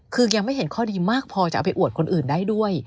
คือยังไม่เห็นข้อดีมากพอจะเอาไปอวดคนอื่นได้ด้วย